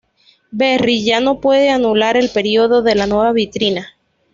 Berri ya no puede anular el pedido de la nueva vitrina.